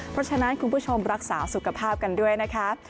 เพราะฉะนั้นคุณผู้ชมรักษาสุขภาพกันด้วยนะคะ